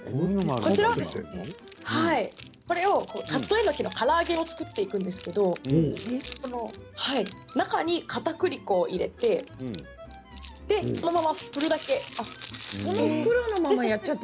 こちらはから揚げにしていくんですけれど中にかたくり粉を入れてそのまま振るだけです。